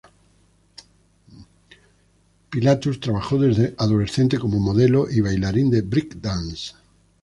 Pilatus trabajó desde adolescente como modelo y bailarín de breakdance.